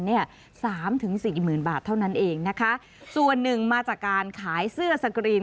๓๔หมื่นบาทเท่านั้นเองนะคะส่วนหนึ่งมาจากการขายเสื้อสกรีน